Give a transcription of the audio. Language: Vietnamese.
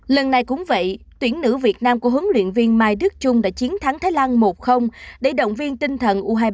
lần này cũng vậy tuyển nữ việt nam của huấn luyện viên mai đức trung đã chiến thắng thái lan một để động viên tinh thần u hai mươi bảy